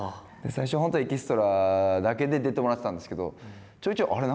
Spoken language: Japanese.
最初本当にエキストラだけで出てもらってたんですけどちょいちょいあれ？